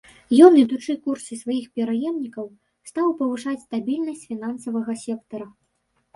Ён, ідучы курсе сваіх пераемнікаў, стаў павышаць стабільнасць фінансавага сектара.